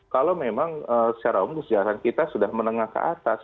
kalau memang secara umum kesejahteraan kita sudah menengah ke atas